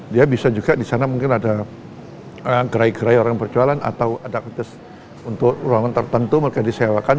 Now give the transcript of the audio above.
dia bisa juga di sana mungkin ada gerai gerai orang yang berjualan atau ada aktivitas untuk ruangan tertentu mereka disewakan